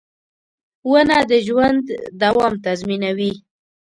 • ونه د ژوند دوام تضمینوي.